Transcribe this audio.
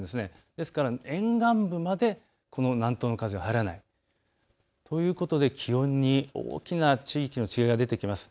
ですから沿岸部までこの南東の風が入らないということで気温に大きな地域の違いが出てきます。